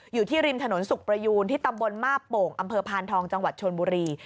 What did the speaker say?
อยู่ที่ริมถนนสุขประยูนที่ตำบลมาบโป่งอำเภอพานทองจังหวัดชนบุรี